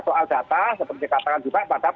soal data seperti katakan juga pada